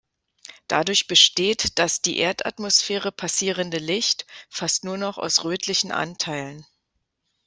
Dadurch besteht das die Erdatmosphäre passierende Licht fast nur noch aus rötlichen Anteilen.